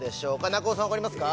中尾さんわかりますか？